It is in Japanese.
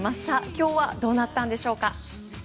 今日はどうだったんでしょうか。